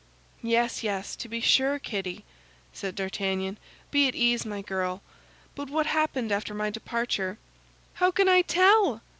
"Yes, yes, to be sure, Kitty," said D'Artagnan; "be at ease, my girl. But what happened after my departure?" "How can I tell!"